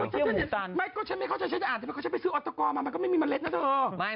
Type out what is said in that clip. ไม่เขาใช้ไปซื้ออัตโก้มามันก็ไม่มีเมล็ดนะเถอะ